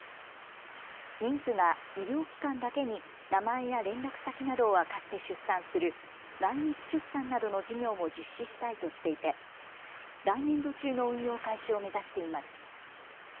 妊婦が医療機関だけに名前や連絡先などを明かして出産する内密出産などの事業も実施したいとしていて来年度中の運用開始を目指しています。